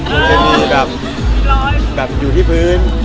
ควรจะมีแบบอยู่ที่พื้น